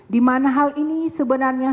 dimana hal ini sebenarnya